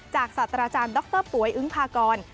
จากสัตว์อาจารย์ด็อกเตอร์ปุ๋ยอึ้งพากร